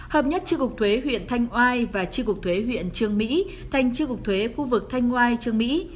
hợp nhất tri cục thuế huyện thanh oai và tri cục thuế huyện trương mỹ thành tri cục thuế khu vực thanh oai trương mỹ